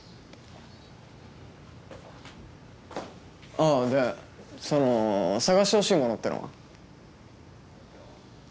あっでその探してほしいものってのは？